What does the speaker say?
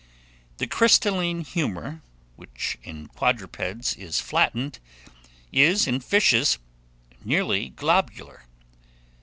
The crystalline humour, which in quadrupeds is flattened, is, in fishes, nearly globular.